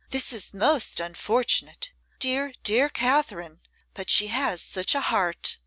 'This is most unfortunate. Dear, dear Katherine, but she has such a heart!